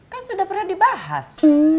kan sudah pernah dibahas